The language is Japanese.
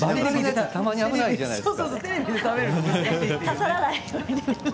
たまに危ないじゃないですか。